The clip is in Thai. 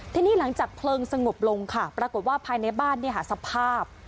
ทีนี้หลังจากเพลิงสงบลงค่ะปรากฏว่าภายในบ้านสภาพ